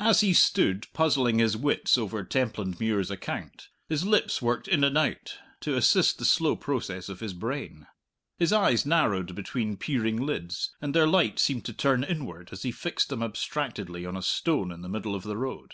As he stood puzzling his wits over Templandmuir's account, his lips worked in and out, to assist the slow process of his brain. His eyes narrowed between peering lids, and their light seemed to turn inward as he fixed them abstractedly on a stone in the middle of the road.